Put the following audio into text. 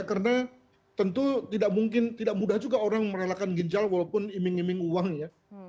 karena tentu tidak mudah juga orang merelakan ginjal walaupun iming iming uang ya